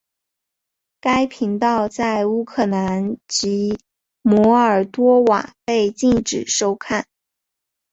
该频道在乌克兰及摩尔多瓦被禁止收看。